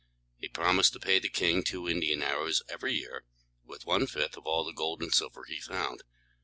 He promised to pay the king two Indian arrows every year, with one fifth of all the gold and silver he found.